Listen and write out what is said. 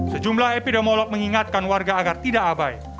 sejumlah epidemiolog mengingatkan warga agar tidak abai